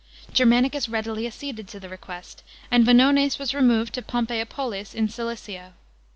Germanicus readily acceded to the request, and Vonones was removed to Pompeiopolis in Cilicia.